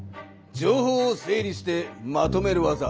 情報を整理してまとめる技。